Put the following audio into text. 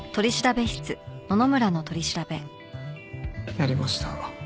やりました。